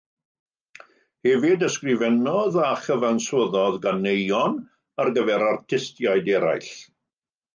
Hefyd ysgrifennodd a chyfansoddodd ganeuon ar gyfer artistiaid eraill.